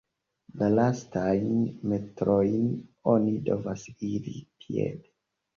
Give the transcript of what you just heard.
La lastajn metrojn oni devas iri piede.